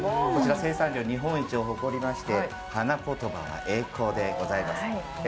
生産量、日本一を誇りまして花言葉は「栄光」でございます。